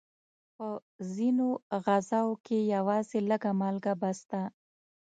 په ځینو غذاوو کې یوازې لږه مالګه بس ده.